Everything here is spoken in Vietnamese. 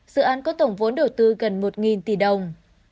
dự án có tổng vốn đầu tư gần một tỷ đồng